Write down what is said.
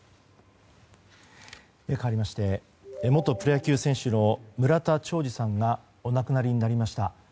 かわりまして元プロ野球選手の村田兆治さんがお亡くなりになりました。